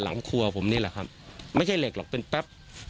หลังครัวผมนี่แหละครับไม่ใช่เหล็กหรอกเป็นแป๊บ